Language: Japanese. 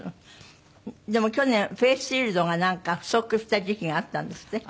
でも去年フェースシールドがなんか不足した時期があったんですって？